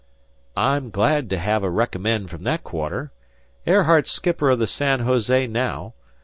"I'm glad to have a recommend from that quarter. Airheart's skipper of the San Jose now.